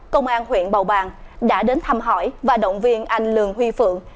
công an huyện bầu bàng đã đến thăm hỏi và động viên anh lường huy phượng